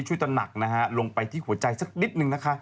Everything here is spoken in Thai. ช่วยตะหนักลงไปที่หัวใจสักนิดหนึ่ง